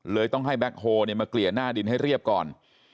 ต้องให้แบ็คโฮลมาเกลี่ยหน้าดินให้เรียบก่อน